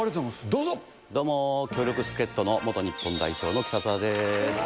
どうも、強力助っ人の元日本代表の北澤です。